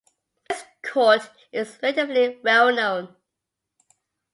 His court is relatively well known.